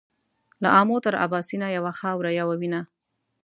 له آمو تر اباسینه یوه خاوره یو وینه